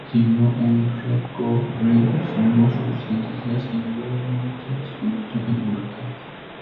Siguió un recorrido sinuoso los siguientes días, y brevemente se convirtió en huracán.